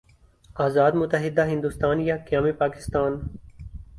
آزاد متحدہ ہندوستان یا قیام پاکستان؟